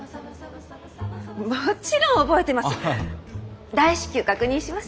もちろん覚えています。